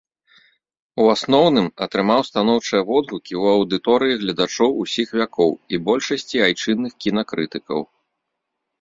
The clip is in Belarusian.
У асноўным атрымаў станоўчыя водгукі ў аўдыторыі гледачоў усіх вякоў і большасці айчынных кінакрытыкаў.